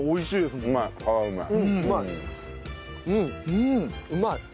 うんうまい。